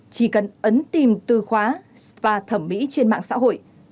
chỉ cần ấn tìm tư khoá spa thẩm mỹ trên mạng xã hội